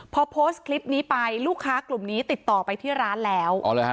พอโพสต์คลิปนี้ไปลูกค้ากลุ่มนี้ติดต่อไปที่ร้านแล้ว